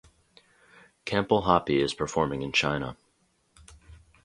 Campbell Hapi is performing in China.